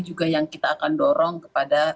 juga yang kita akan dorong kepada